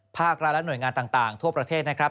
ภาครัฐและหน่วยงานต่างทั่วประเทศนะครับ